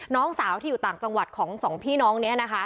น้องสาวที่อยู่ต่างจังหวัดของสองพี่น้องนี้นะคะ